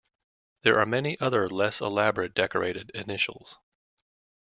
There are many other less elaborate decorated initials.